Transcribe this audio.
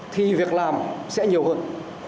thì việc làm sẽ nhiều hơn